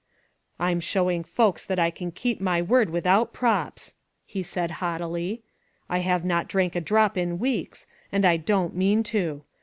*' I'm showing folks that I can keep my word without props,'" he said haughtily; "I have not drank a drop in weeks, and I don't mean to.